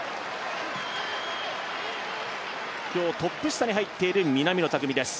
今日、トップ下に入っている南野拓実です。